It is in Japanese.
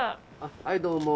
はいどうも。